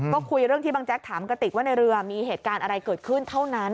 ก็คุยเรื่องที่บางแจ๊กถามกระติกว่าในเรือมีเหตุการณ์อะไรเกิดขึ้นเท่านั้น